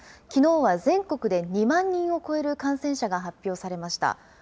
きのうは全国で２万人を超える感染者が発表されました。